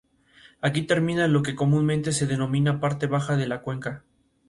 Siendo este el caso, poder blando por consiguiente no es blando.